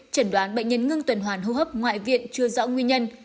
chẩn đoán bệnh nhân ngưng tuần hoàn hô hấp ngoại viện chưa rõ nguyên nhân